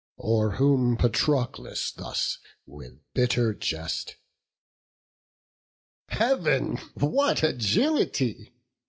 O'er whom Patroclus thus with bitter jest: "Heav'n! what agility!